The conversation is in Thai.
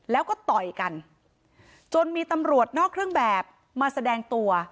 แล้วก็ต่อยกันจนมีตำรวจนอกเครื่องแบบมาแสดงตัว